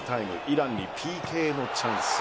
イランにＰＫのチャンス。